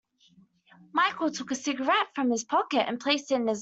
Michael took a cigarette from his pocket and placed it in his mouth.